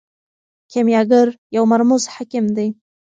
کیمیاګر یو مرموز حکیم دی.